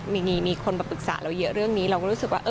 มีคนมาปรึกษาเราเยอะเรื่องนี้เราก็รู้สึกว่า